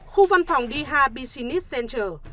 khu văn phòng đi hà business center